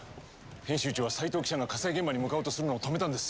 編集長は斎藤記者が火災現場に向かおうとするのを止めたんです。